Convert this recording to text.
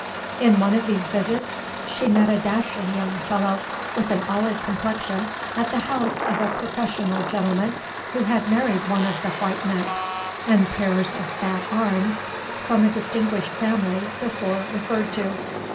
In one of these visits she met a dashing young fellow with an olive complexion at the house of a professional gentleman who had married one of the white necks and pairs of fat arms from a distinguished family before referred to.